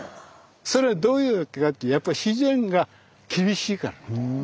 それはどういうわけかってやっぱ自然が厳しいから。